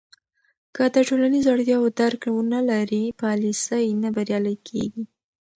که د ټولنیزو اړتیاوو درک ونه لرې، پالیسۍ نه بریالۍ کېږي.